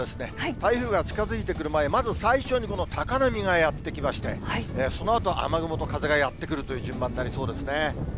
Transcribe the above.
台風が近づいて来る前、まず最初にこの高波がやって来まして、そのあと、雨雲と風がやって来るという順番になりそうですね。